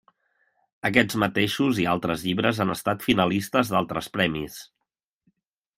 Aquests mateixos i altres llibres han estat finalistes d'altres premis.